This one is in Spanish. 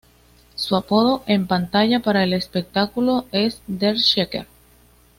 Su apodo en pantalla para el espectáculo es "Der Checker".